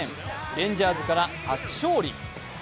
レンジャーズから初勝利。